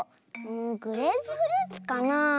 グレープフルーツかな？